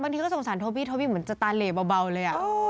บางทีก็สงสารโทบี้เพราะโทบี้เหมือนจะตาแรบาเลยอ่ะ